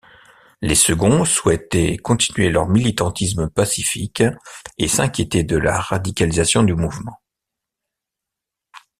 Les seconds souhaitaient continuer leur militantisme pacifique et s’inquiétaient de la radicalisation du mouvement.